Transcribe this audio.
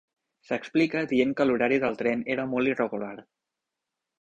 S'explica dient que l'horari del tren era molt irregular.